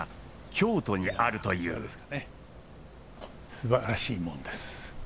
すばらしい門です。